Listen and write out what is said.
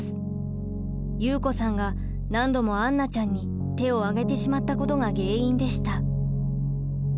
祐子さんが何度も杏奈ちゃんに手を上げてしまったことが原因でした。